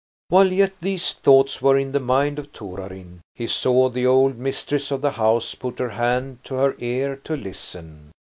While yet these thoughts were in the mind of Torarin, he saw the old mistress of the house put her hand to her ear to listen.